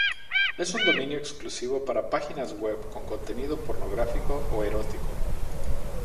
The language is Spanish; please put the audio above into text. Es un dominio exclusivo para páginas web con contenido pornográfico o erótico.